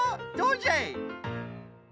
どうじゃい！